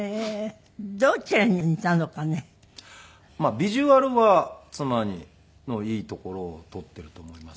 ビジュアルは妻のいいところを取っていると思いますし。